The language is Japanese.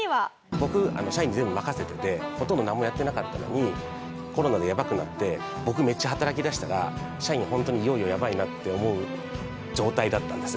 僕社員に全部任せててほとんどなんもやってなかったのにコロナでやばくなって僕めっちゃ働き出したら社員ホントにいよいよやばいなって思う状態だったんです。